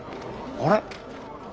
あれ？